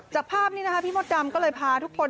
ภาพนี้นะคะพี่มดดำก็เลยพาทุกคน